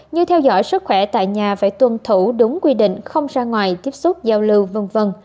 như theo dõi sức khỏe tại nhà phải tuân thủ đúng quy định không ra ngoài tiếp xúc giao lưu v v